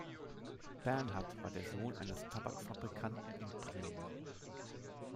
Bernhard war der Sohn eines Tabakfabrikanten in Bremen.